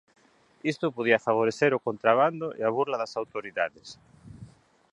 Isto podía favorecer o contrabando e a burla das autoridades.